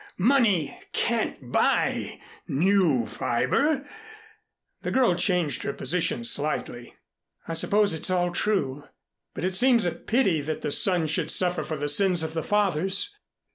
Money can't buy new fiber." The girl changed her position slightly. "I suppose it's all true, but it seems a pity that the sons should suffer for the sins of the fathers."